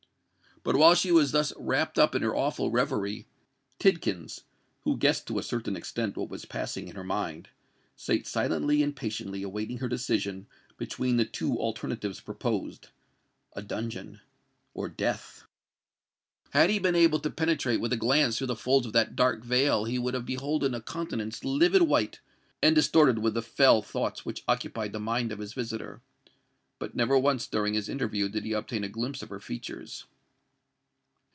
But while she was thus wrapped up in her awful reverie, Tidkins, who guessed to a certain extent what was passing in her mind, sate silently and patiently awaiting her decision between the two alternatives proposed—a dungeon or death! Had he been able to penetrate with a glance through the folds of that dark veil, he would have beholden a countenance livid white, and distorted with the fell thoughts which occupied the mind of his visitor:—but never once during this interview did he obtain a glimpse of her features.